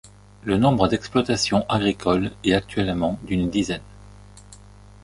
Le nombre d'exploitations agricoles est actuellement d'une dizaine.